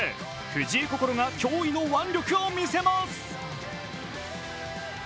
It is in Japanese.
藤井快が驚異の腕力を見せます。